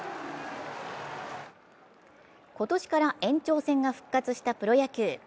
今年から延長戦が復活したプロ野球。